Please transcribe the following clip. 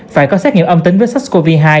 phải có xét nghiệm âm tính với sars cov hai